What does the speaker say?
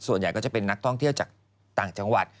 ส่วนใหญ่ก็จะเป็นนักท่องเที่ยวจากต่างจังหวัด